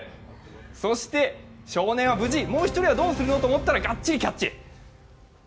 そして、少年は無事もう一人はどうしたのといったらがっちりキャッチ。